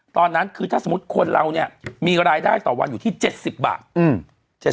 ตอนนั้นคือถ้าสมมุติคนเราเนี่ยมีรายได้ต่อวันอยู่ที่๗๐บาท